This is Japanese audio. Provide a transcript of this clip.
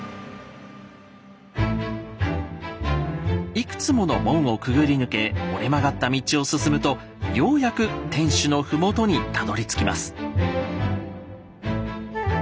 いくつもの門をくぐり抜け折れ曲がった道を進むとようやく天守の麓にたどりつきます。